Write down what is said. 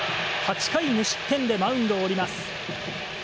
８回無失点でマウンドを降ります。